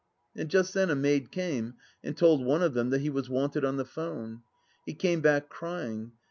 ,., And just then a maid came and told one of them that he was wanted on the 'phone. ... He came back crying.